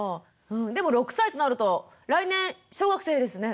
でも６歳となると来年小学生ですね。